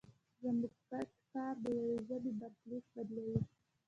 زموږ ګډ کار د یوې ژبې برخلیک بدلوي.